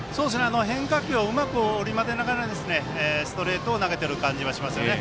変化球をうまく織り交ぜながらストレートを投げてる感じはしますよね。